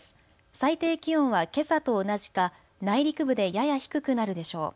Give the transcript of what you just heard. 最低気温はけさと同じか内陸部でやや低くなるでしょう。